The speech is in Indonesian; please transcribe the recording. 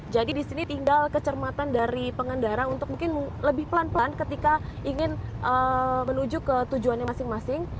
jadi disini tinggal kecermatan dari pengendara untuk mungkin lebih pelan pelan ketika ingin menuju ke tujuannya masing masing